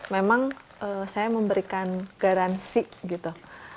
memang saya memberikan garansi gitu